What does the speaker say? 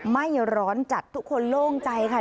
ไม่ร้อนจัดทุกคนโล่งใจค่ะ